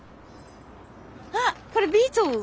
あっこれビートルズ。